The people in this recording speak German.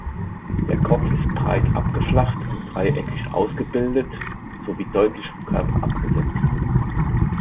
Der Kopf ist breit abgeflacht und dreieckig ausgebildet sowie deutlich vom Körper abgesetzt.